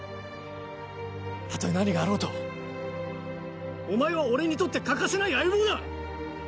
たとえ何があろうとお前は俺にとって欠かせない相棒だ！